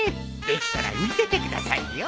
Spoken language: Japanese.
できたら見せてくださいよ。